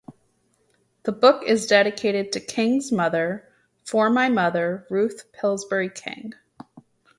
The book is dedicated to King's mother: For my mother, Ruth Pillsbury King.